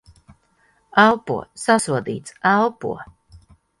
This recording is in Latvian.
Elpo. Sasodīts. Elpo!